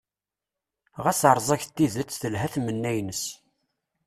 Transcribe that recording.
Ɣas rẓaget tidet, telhan tmenna-is.